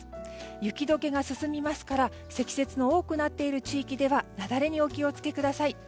雪解けが進みますから積雪の多くなっている地域では雪崩にお気を付けください。